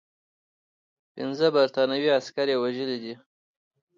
پنځه برټانوي عسکر یې وژلي دي.